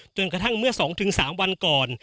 กระทั่งเมื่อ๒๓วันก่อน